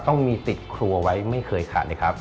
ต้องมีติดครัวไว้ไม่เคยขาดเลยครับ